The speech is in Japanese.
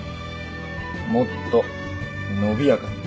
もっと伸びやかに。